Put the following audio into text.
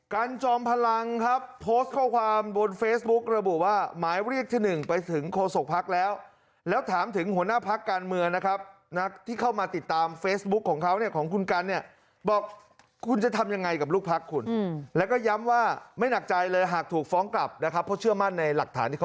จอมพลังครับโพสต์ข้อความบนเฟซบุ๊กระบุว่าหมายเรียกที่หนึ่งไปถึงโฆษกภักดิ์แล้วแล้วถามถึงหัวหน้าพักการเมืองนะครับนักที่เข้ามาติดตามเฟซบุ๊คของเขาเนี่ยของคุณกันเนี่ยบอกคุณจะทำยังไงกับลูกพักคุณแล้วก็ย้ำว่าไม่หนักใจเลยหากถูกฟ้องกลับนะครับเพราะเชื่อมั่นในหลักฐานที่เขา